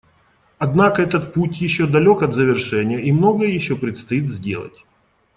Однако этот путь еще далек от завершения и многое еще предстоит сделать.